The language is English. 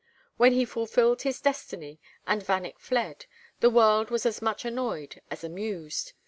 When he fulfilled his destiny and Vanneck fled, the world was as much annoyed as amused.